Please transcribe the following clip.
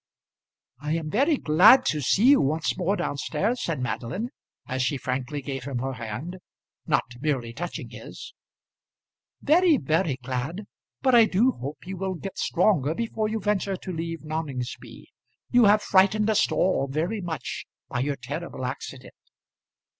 "I am very glad to see you once more down stairs," said Madeline, as she frankly gave him her hand, not merely touching his "very, very glad. But I do hope you will get stronger before you venture to leave Noningsby. You have frightened us all very much by your terrible accident."